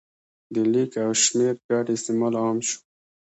د لیک او شمېر ګډ استعمال عام شو.